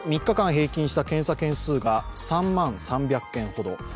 ３日間平均した検査件数が３万３００件ほど。